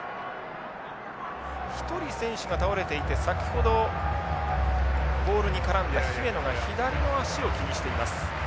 １人選手が倒れていて先ほどボールに絡んだ姫野が左の足を気にしています。